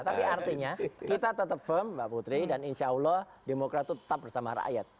tapi artinya kita tetap firm mbak putri dan insya allah demokrat itu tetap bersama rakyat